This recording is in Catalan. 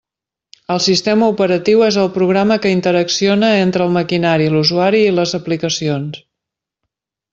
El sistema operatiu és el programa que interacciona entre el maquinari, l'usuari i les aplicacions.